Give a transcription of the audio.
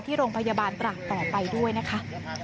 ที่โรงพยาบาลตราดต่อไปด้วยนะคะ